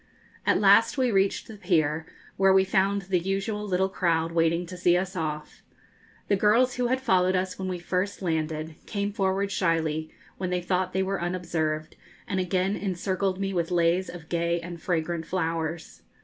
At last we reached the pier, where we found the usual little crowd waiting to see us off. The girls who had followed us when we first landed came forward shyly when they thought they were unobserved, and again encircled me with leis of gay and fragrant flowers.